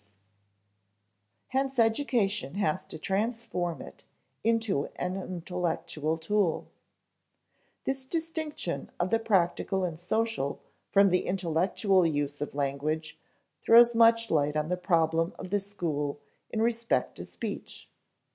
[Sidenote: Hence education has to transform it into an intellectual tool] This distinction of the practical and social from the intellectual use of language throws much light on the problem of the school in respect to speech.